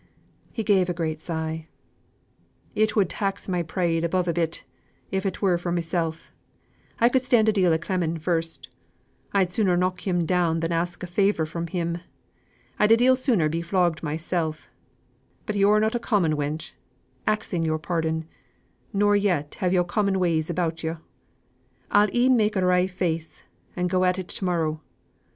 He gave a great sigh. "It would tax my pride above a bit; if it were for mysel', I could stand a deal o' clemming first; I'd sooner knock him down than ask a favour from him. I'd a deal sooner be flogged mysel'; but yo're not a common wench, axing yo'r pardon, nor yet have yo' common ways about yo'. I'll e'en make a wry face, and go at it to morrow.